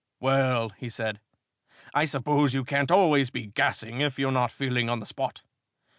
"Well," he said, "I suppose you can't always be gassing if you're not feeling on the spot.